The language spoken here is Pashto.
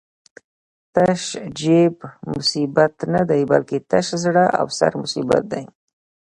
تش جېب مصیبت نه دی، بلکی تش زړه او سر مصیبت دی